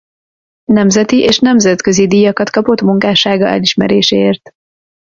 Nemzeti és nemzetközi díjakat kapott munkássága elismeréséért.